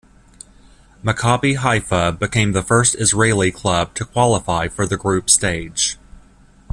Maccabi Haifa became the first Israeli club to qualify for the group stage.